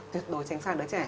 tuyệt đối tránh xa đứa trẻ